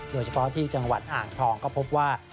โดยเฉพาะที่จังหวัดอ่างทองก็พบว่า